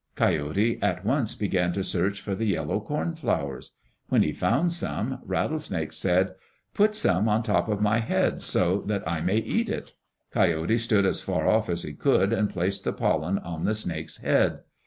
Coyote at once began to search for the yellow corn flowers. When he found some, Rattlesnake said, "Put some on top of my head so that I may eat it." Coyote stood as far off as he could and placed the pollen on the snake's head.